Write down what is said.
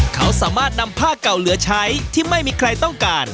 เขาสามารถนำผ้าเก่าเหลือใช้ที่ไม่มีใครต้องการ